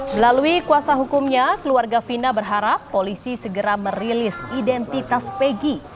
melalui kuasa hukumnya keluarga fina berharap polisi segera merilis identitas pegi